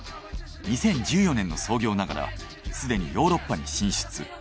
２０１４年の創業ながらすでにヨーロッパに進出。